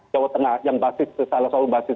jawa tengah yang salah satu basis